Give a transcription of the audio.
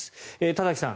田崎さん